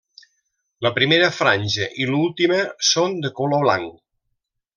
La primera franja i l'última són de color blanc.